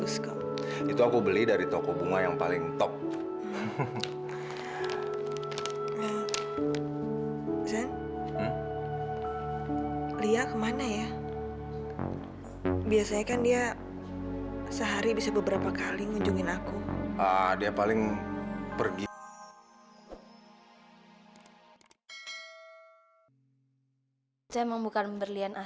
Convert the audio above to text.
sampai jumpa di video selanjutnya